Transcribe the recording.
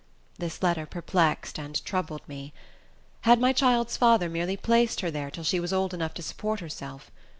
This letter perplexed and troubled me. Had my child's father merely placed her there till she was old enough to support herself?